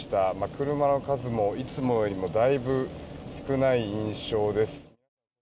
車の数もいつもよりもだいぶ少ない印象です。